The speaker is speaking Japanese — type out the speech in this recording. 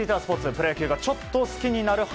プロ野球がちょっと好きになる話。